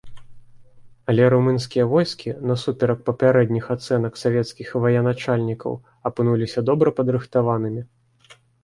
Але румынскія войскі, насуперак папярэдніх ацэнак савецкіх военачальнікаў, апынуліся добра падрыхтаванымі.